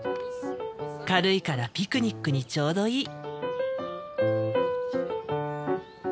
軽いからピクニックにちょうどいい。